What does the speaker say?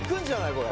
これ。